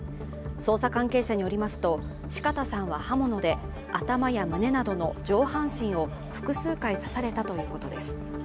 捜査関係者によりますと四方さんは刃物で頭や胸などの上半身を複数回刺されたということです。